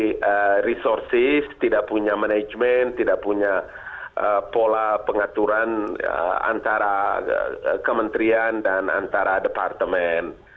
ini resources tidak punya manajemen tidak punya pola pengaturan antara kementerian dan antara departemen